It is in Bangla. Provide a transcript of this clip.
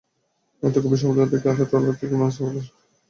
এতে গভীর সমুদ্র থেকে আসা ট্রলার থেকে মাছ খালাস করা হয়।